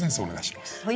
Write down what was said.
お願いします。